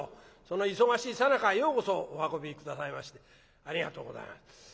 その忙しいさなかようこそお運び下さいましてありがとうございます。